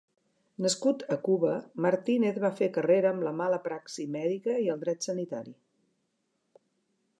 Nascut a Cuba, Martínez va fer carrera amb la mala praxi mèdica i el dret sanitari.